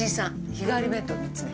日替わり弁当３つね。